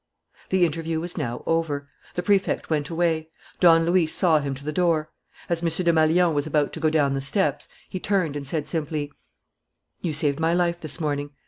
The interview was now over. The Prefect went away. Don Luis saw him to the door. As M. Desmalions was about to go down the steps, he turned and said simply: "You saved my life this morning.